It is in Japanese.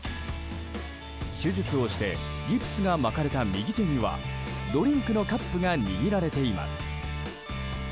手術をしてギプスが巻かれた右手にはドリンクのカップが握られています。